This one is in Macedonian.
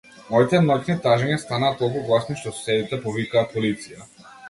Моите ноќни тажења станаа толку гласни што соседите повикаа полиција.